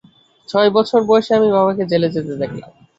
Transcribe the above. ছয় বছর বয়সে আমি বাবাকে জেলে যেতে দেখলাম।